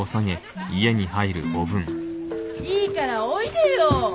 いいからおいでよ。